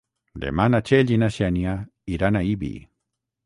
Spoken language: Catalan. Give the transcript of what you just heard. Demà na Txell i na Xènia iran a Ibi.